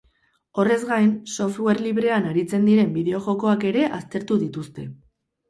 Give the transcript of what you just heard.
Horrez gain, software librean aritzen diren bideojokoak ere aztertu dituzte.